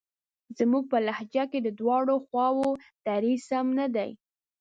زموږ په لهجه کې د دواړو خواوو دریځ سم نه دی.